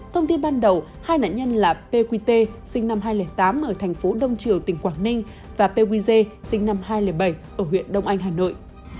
thông tin ban đầu hai nạn nhân là pqt sinh năm hai nghìn tám ở thành phố đông triều tỉnh quảng ninh và pu dê sinh năm hai nghìn bảy ở huyện đông anh hà nội